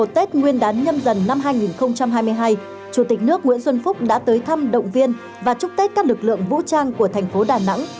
tết nguyên đán nhâm dần năm hai nghìn hai mươi hai chủ tịch nước nguyễn xuân phúc đã tới thăm động viên và chúc tết các lực lượng vũ trang của thành phố đà nẵng